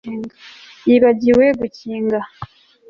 Yibagiwe gukinga